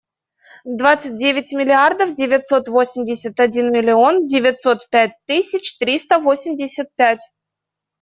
Двадцать девять миллиардов девятьсот восемьдесят один миллион девятьсот пять тысяч триста восемьдесят пять.